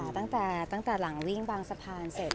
ตั้งแต่หลังวิ่งบางสะพานเสร็จ